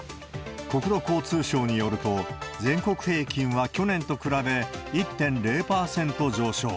国土交通省によると、全国平均は去年と比べ、１．０％上昇。